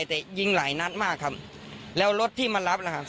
รถยิงหลายนัดมากครับและรถที่มารับหรือว่าค่ะ